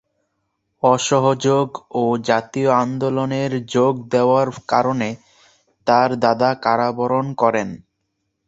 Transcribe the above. অসহযোগ ও জাতীয় আন্দোলনের যোগ দেওয়ার কারণে তার দাদা কারাবরণ করেন।